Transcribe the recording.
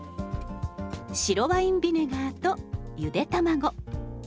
白ワインビネガーとゆで卵。